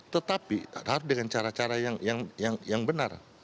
tetapi harus dengan cara cara yang benar